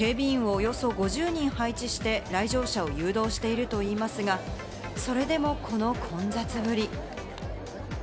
およそ５０人を配置して来場者を誘導しているといいますが、それでもこの混雑ぶり。